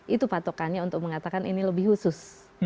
itu patokannya untuk mengatakan ini lebih khusus